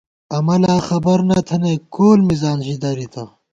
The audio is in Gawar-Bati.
امہ لا خبر نہ تھنئیک ، کول مِزان ژی درِتہ